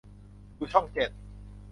ดูช่องเจ็ด